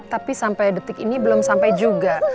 tapi sampai detik ini belum sampai juga